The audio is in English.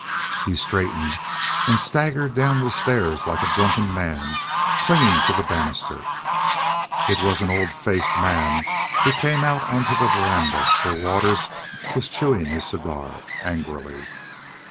He straightened and staggered down the stairs like a drunken man, clinging to the banister. It was an old faced man who came out onto the veranda, where Waters was chewing his cigar angrily.